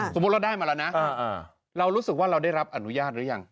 สมมุติเราได้มาแล้วนะเรารู้สึกว่าเราได้รับอนุญาตหรือยัง